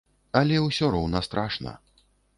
Але ўсё роўна страшна.